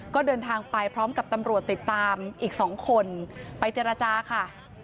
ก็เดินทางไปพร้อมกับตำรวจติดตามอีก๒คนไปเจรจาค่ะ